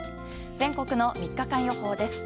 全国の３日間予報です。